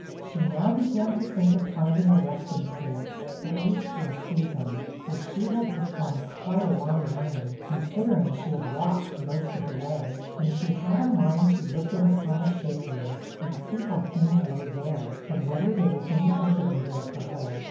She now began to think of finding a resting place, at least, for a season; for she had performed quite a long journey, considering she had walked most of the way; and she had a mind to look in upon the Shakers, and see how things were there, and whether there was any opening there for her.